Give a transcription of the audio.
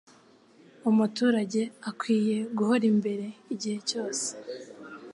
umuturage akwiye guhora imbere igihe cyose